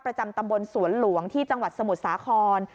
ประจำตำบลสวนหลวงที่จังหวัดสมุทรสาคร